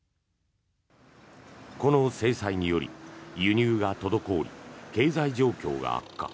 この制裁により、輸入が滞り経済状況が悪化。